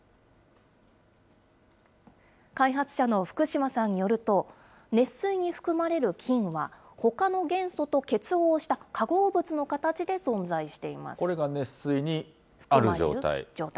開発者の福島さんによると、熱水に含まれる金は、ほかの元素と結合した化合物の形で存在しています。状態。